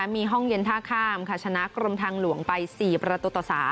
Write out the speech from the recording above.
มีห้องเย็นท่าข้ามค่ะชนะกรมทางหลวงไป๔ประตูต่อ๓